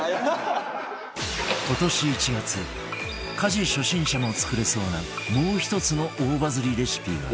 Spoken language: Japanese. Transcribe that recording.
今年１月家事初心者も作れそうなもう１つの大バズりレシピが